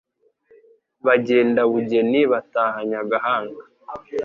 Bagenda Bugene bataha Nyagahanga